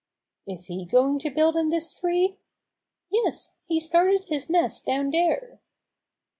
"Is he going to build in this tree?" "Yes, he's started his nest down there."